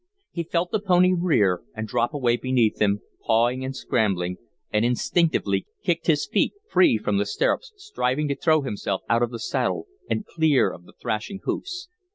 He felt the pony rear and drop away beneath him, pawing and scrambling, and instinctively kicked his feet free from the stirrups, striving to throw himself out of the saddle and clear of the thrashing hoofs.